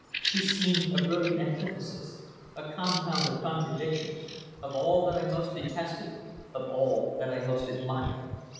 She seemed a brilliant antithesis a compound of contradictions of all that I most detested, of all that I most admired.